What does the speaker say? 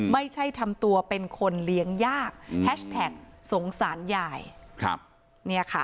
ไม่ใช่ทำตัวเป็นคนเลี้ยงยากแฮชแท็กสงสารยายครับเนี่ยค่ะ